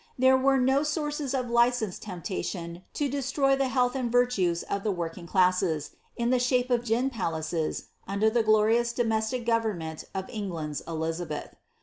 There were no sources of licensed temptation to destroy the health and virtues of the working classes, in the shape of gin palaces, under the florious domestic government of England's Elizabeth.